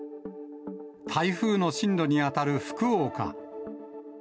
台風の進路に当たる福岡。